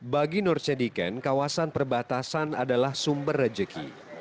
bagi nur cediken kawasan perbatasan adalah sumber rejeki